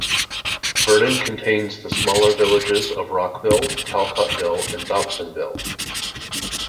Vernon contains the smaller villages of Rockville, Talcottville and Dobsonville.